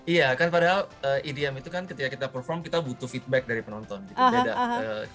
iya kan padahal edm itu kan ketika kita perform kita butuh feedback dari penonton gitu